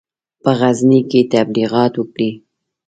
په غزني کې تبلیغات وکړي.